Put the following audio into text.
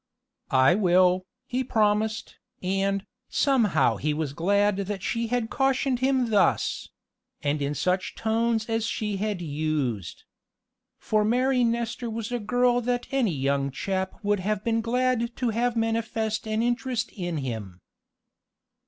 "I will," he promised, and, somehow he was glad that she had cautioned him thus and in such tones as she had used. For Mary Nestor was a girl that any young chap would have been glad to have manifest an interest in him.